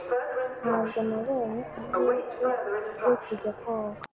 Ntabwo nabonye amahirwe yo kujya koga.